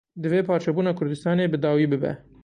Divê parçebûna Kurdistanê bi dawî bibe.